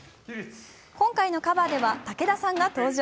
今回のカバーでは武田さんが登場。